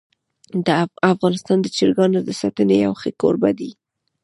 افغانستان د چرګانو د ساتنې یو ښه کوربه دی.